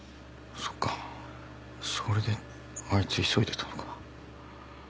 そっかそれであいつ急いでたのか。